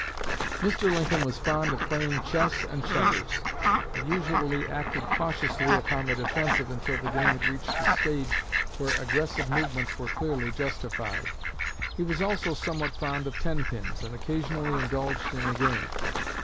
"Mr. Lincoln was fond of playing chess and checkers, and usually acted cautiously upon the defensive until the game had reached a stage where aggressive movements were clearly justified. He was also somewhat fond of ten pins, and occasionally indulged in a game.